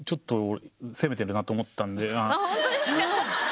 本当ですか？